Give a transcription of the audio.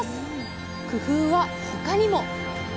工夫は他にも！